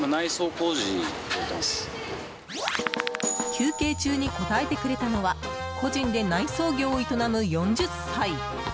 休憩中に答えてくれたのは個人で内装業を営む４０歳。